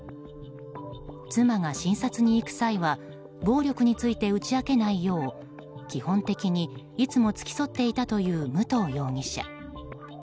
妻が診察に行く際は暴力について打ち明けないよう基本的にいつも付き添っていたという武藤容疑者。